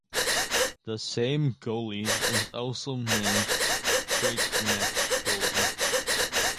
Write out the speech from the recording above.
The same gully is also named 'Breakneck Gully'.